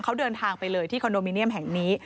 เขาเดินทางไปเลยที่คอนโดมิเนียมแห่งนี้